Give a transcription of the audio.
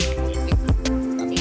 dan kami bertemu